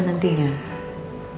nanti dia akan berpikir